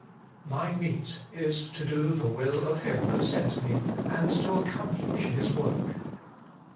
* My meat is to do the will of Him that sent Me, and to accomplish His zvork.